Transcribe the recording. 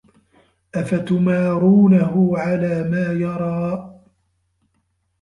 أَفَتُمارونَهُ عَلى ما يَرى